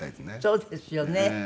そうですよね。